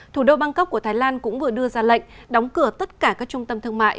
thủ đô bangkok của thái lan cũng vừa đưa ra lệnh đóng cửa tất cả các trung tâm thương mại